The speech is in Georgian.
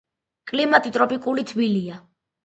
კლიმატი ტროპიკული, თბილია.